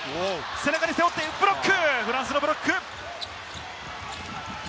背中に背負ってブロック、フランスのブロック。